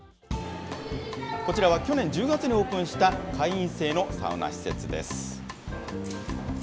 こちらは去年１０月にオープンした会員制のサウナ施設です。